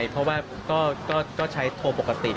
เพราะว่าก็ใช้โทรปกติ